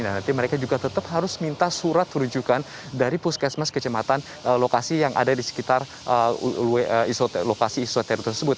nah nanti mereka juga tetap harus minta surat rujukan dari puskesmas kecematan lokasi yang ada di sekitar lokasi isoter tersebut